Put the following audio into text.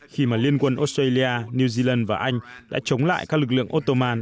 khi mà liên quân australia new zealand và anh đã chống lại các lực lượng otoman